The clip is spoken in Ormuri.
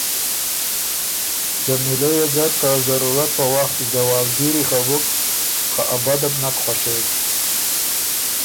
جمیلۀ يې ګه ته ضرورت په وخت ځوابګیري خه بُک، خه ا بده بو نک خوَشېک۔